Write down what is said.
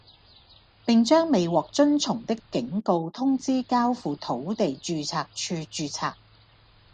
並將未獲遵從的警告通知交付土地註冊處註冊